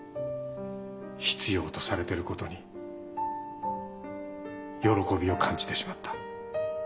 必要とされてることに喜びを感じてしまった。